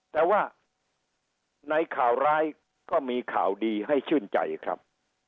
แต่ว่าในข่าวร้ายก็มีข่าวดีให้ชื่นใจครับ